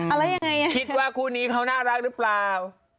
อะไรยังไงคิดว่าคุณนี่เขาน่ารักหรือเปล่า